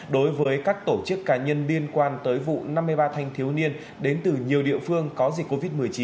đối với các tổ chức cá nhân liên quan tới vụ năm mươi ba thanh thiếu niên đến từ nhiều địa phương có dịch covid một mươi chín